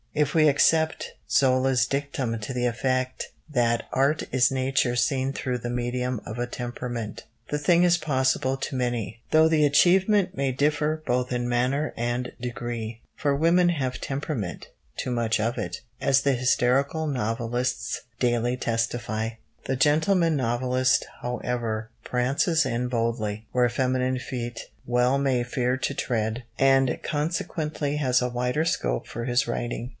If we accept Zola's dictum to the effect that art is nature seen through the medium of a temperament, the thing is possible to many, though the achievement may differ both in manner and degree. For women have temperament too much of it as the hysterical novelists daily testify. The gentleman novelist, however, prances in boldly, where feminine feet well may fear to tread, and consequently has a wider scope for his writing.